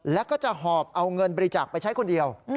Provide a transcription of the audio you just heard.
แล้วก็จะหอบเอาเงินบริจาคไปใช้คนเดียว